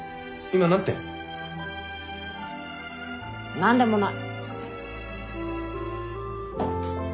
何でもない。